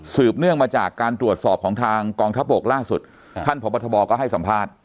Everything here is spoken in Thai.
เนื่องมาจากการตรวจสอบของทางกองทัพบกล่าสุดท่านพบทบก็ให้สัมภาษณ์